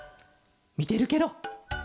みてるケロ。